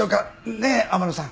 ねえ天野さん。